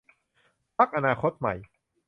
พรรคอนาคตใหม่